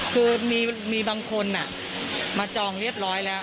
คือมีบางคนมาจองเรียบร้อยแล้ว